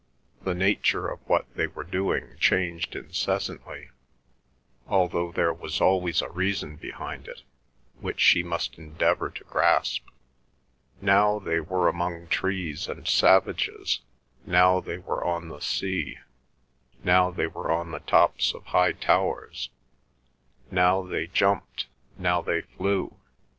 The nature of what they were doing changed incessantly, although there was always a reason behind it, which she must endeavour to grasp. Now they were among trees and savages, now they were on the sea, now they were on the tops of high towers; now they jumped; now they flew.